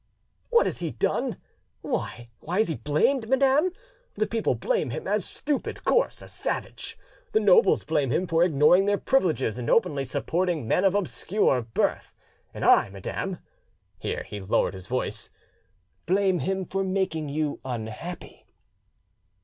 "What has he done? Why is he blamed, madam? The people blame him as stupid, coarse, a savage; the nobles blame him for ignoring their privileges and openly supporting men of obscure birth; and I, madam,"—here he lowered his voice, "I blame him for making you unhappy."